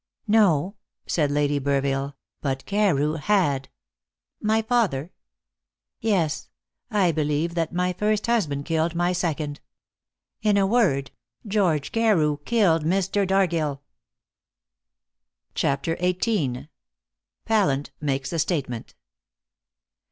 "No," said Lady Burville, "but Carew had." "My father?" "Yes; I believe that my first husband killed my second. In a word, George Carew killed Mr. Dargill." CHAPTER XVIII. PALLANT MAKES A STATEMENT.